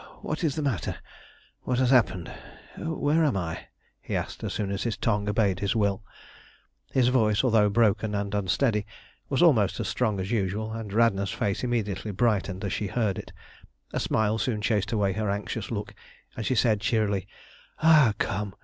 "What is the matter? What has happened? Where am I?" he asked, as soon as his tongue obeyed his will. His voice, although broken and unsteady, was almost as strong as usual, and Radna's face immediately brightened as she heard it. A smile soon chased away her anxious look, and she said cheerily "Ah, come!